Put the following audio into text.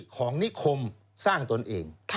ของนิคมสร้างตนเอง